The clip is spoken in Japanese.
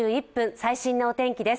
最新のお天気です。